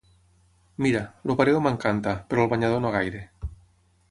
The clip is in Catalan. Mira, el pareo m'encanta, però el banyador no gaire.